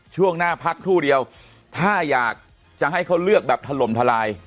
ช่วงหน้าพักครู่เดียวถ้าอยากจะให้เขาเลือกแบบถล่มทลาย